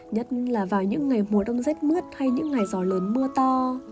nhất là vào những ngày mùa đông rét mướt hay những ngày gió lớn mưa to